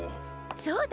そうだ！